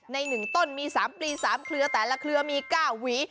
ใน๑ต้นมี๓ปลี๓เครือแต่ละเครือมี๙หวี